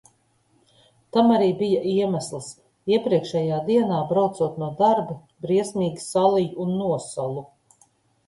Tam arī bija iemesls – iepriekšējā dienā, braucot no darba, briesmīgi saliju un nosalu.